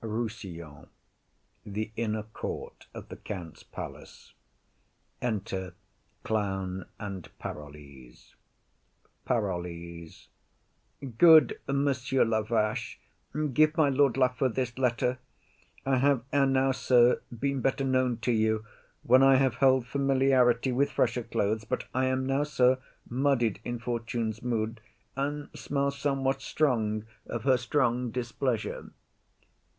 Rossillon. The inner court of the Countess's palace. Enter Clown and Parolles. PAROLLES. Good Monsieur Lavache, give my Lord Lafew this letter; I have ere now, sir, been better known to you, when I have held familiarity with fresher clothes; but I am now, sir, muddied in Fortune's mood, and smell somewhat strong of her strong displeasure.